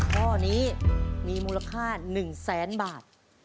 ข้อนี้มูลค่ะ๑๐๐๐๐๐บาท